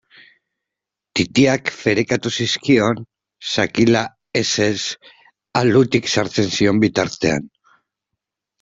Titiak ferekatu zizkion sakila alutik sartzen zion bitartean.